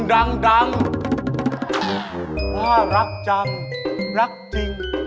ว่ารักจังรักจริง